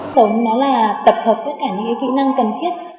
sống là tập hợp với cả những kỹ năng cần thiết